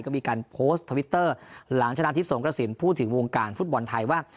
ก็มีการโพสต์ทวิตเตอร์หลังชนะทิพย์สงกระสินพูดถึงวงการฟุตบอลไทยว่า